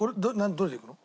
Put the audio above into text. どれでいくの？